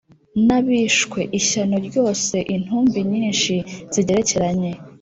n’abishwe ishyano ryose intumbi nyinshi zigerekeranye